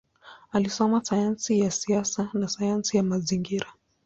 Alisoma sayansi ya siasa na sayansi ya mazingira.